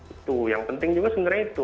itu yang penting juga sebenarnya itu